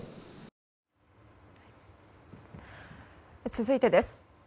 続いてです。